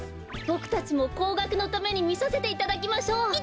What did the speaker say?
ボクたちもこうがくのためにみさせていただきましょう。